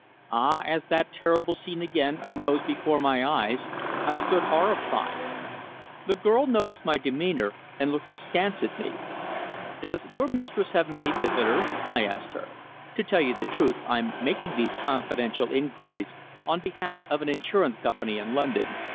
Ah! as that terrible scene again arose before my eyes I stood horrified. The girl noticed my demeanour, and looked askance at me. "Does your mistress have many visitors?" I asked her. "To tell you the truth, I'm making these confidential inquiries on behalf of an insurance company in London.